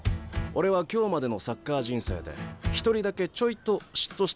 俺は今日までのサッカー人生で一人だけちょいと嫉妬したやつがいるナリ。